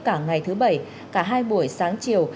cả ngày thứ bảy cả hai buổi sáng chiều